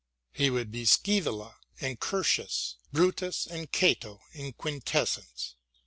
He would be Scsevola and Curtius, Brutus and Cato in quintessence.